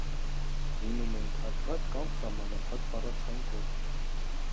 Լինում է ընդարձակ կամ սահմանափակ բառացանկով։